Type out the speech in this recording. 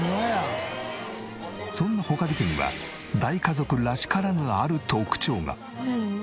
そんな穂苅家には大家族らしからぬある特徴が。